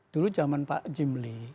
dulu zaman pak jim lee